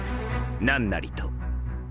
何なりと。